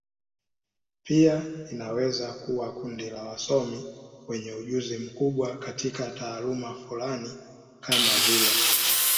Pia inaweza kuwa kundi la wasomi wenye ujuzi mkubwa katika taaluma fulani, kama vile.